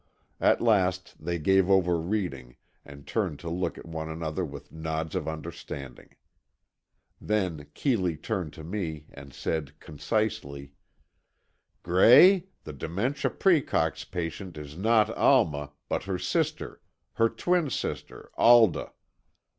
At last they gave over reading and turned to look at one another with nods of understanding. Then Keeley turned to me, and said, concisely: "Gray, the dementia praecox patient is not Alma, but her sister—her twin sister, Alda.